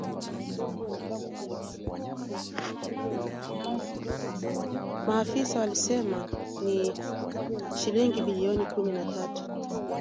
Maafisa walisema ni shilingi bilioni kumi na tatu